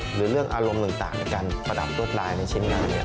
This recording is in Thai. หรือเรื่องอารมณ์ต่างในการประดับรวดลายในชิ้นงาน